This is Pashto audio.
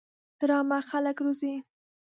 ډرامه خلک روزي